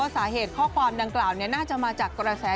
สาเหตุข้อความดังกล่าวน่าจะมาจากกระแส